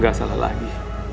gak salah lagi